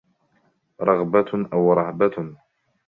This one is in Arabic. رَغْبَةٌ أَوْ رَهْبَةٌ